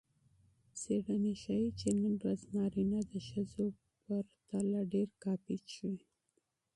څیړنې ښيي چې نن ورځ نارینه د ښځو په پرتله ډېره کافي څښي.